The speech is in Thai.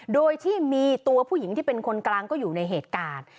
โดยที่มีตัวผู้หญิงที่เป็นคนกลางก็อยู่ในเหตุการณ์